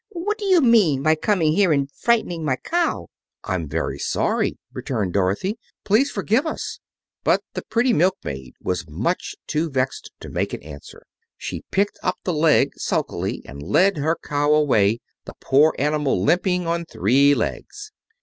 What do you mean by coming here and frightening my cow?" "I'm very sorry," returned Dorothy. "Please forgive us." But the pretty milkmaid was much too vexed to make any answer. She picked up the leg sulkily and led her cow away, the poor animal limping on three legs.